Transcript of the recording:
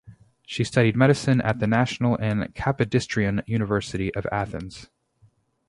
She studied medicine at the National and Kapodistrian University of Athens.